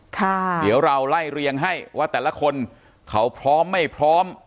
ค่ะเดี๋ยวเราไล่เรียงให้ว่าแต่ละคนเขาพร้อมไม่พร้อม